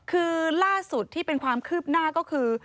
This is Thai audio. คือล่าสุดที่เป็นความคืบหน้าก็คือ